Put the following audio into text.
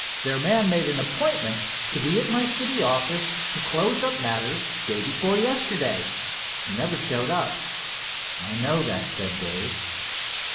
Their man made an appointment to be at my city office to close up matters day before yesterday. He never showed up." "I know that," said Dave.